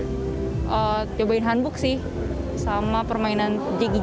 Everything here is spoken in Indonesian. eee nyobain hanbok sih sama permainan jegi jagi